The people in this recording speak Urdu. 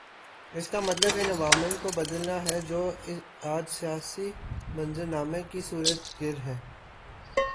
اس کا مطلب ان عوامل کو بدلنا ہے جو آج کے سیاسی منظرنامے کے صورت گر ہیں۔